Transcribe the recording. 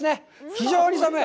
非常に寒い。